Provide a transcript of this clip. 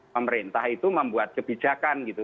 pemerintah itu membuat kebijakan gitu